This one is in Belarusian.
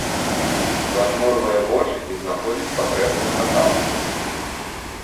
Зажмурвае вочы і знаходзіць патрэбную нататку.